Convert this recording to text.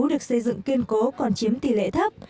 được xây dựng kiên cố còn chiếm tỷ lệ thấp